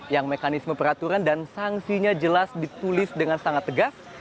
yang mekanisme peraturan dan sanksinya jelas ditulis dengan sangat tegas